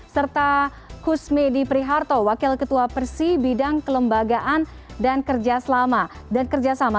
serta kusmedi priharto wakil ketua persi bidang kelembagaan dan kerja selama